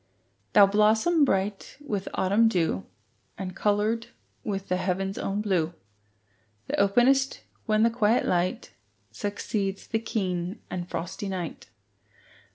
Thou blossom bright with autumn dew, And coloured with the heaven's own blue, That openest when the quiet light Succeeds the keen and frosty night.